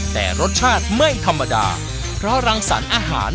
มันเรียกเข้าไปแล้ว